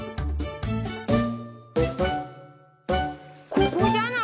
ここじゃない？